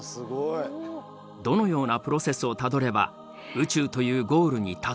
どのようなプロセスをたどれば宇宙というゴールにたどりつけるか。